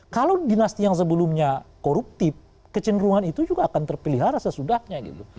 kalau dinasti yang sebelumnya koruptif kecenderungan itu juga akan terpelihara sesudahnya gitu